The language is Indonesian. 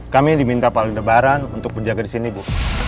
kami diminta paling ada barang untuk penjaga di sini bu